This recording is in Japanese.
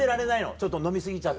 ちょっと飲み過ぎちゃって。